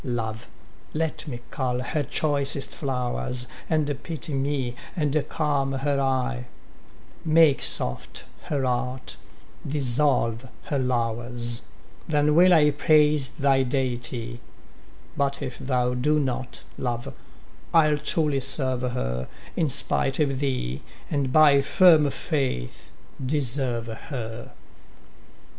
Love, let me cull her choicest flowers, And pity me, and calm her eye; Make soft her heart, dissolve her lowers, Then will I praise thy deity, But if thou do not, Love, I'll truly serve her In spite of thee, and by firm faith deserve her.